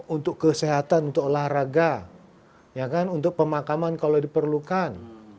untuk kesehatan untuk olahraga untuk pemakaman kalau diperlukan